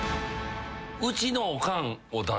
うちのおかんを出して。